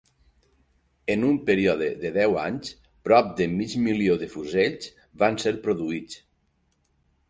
En un període de deu anys, prop de mig milió de fusells van ser produïts.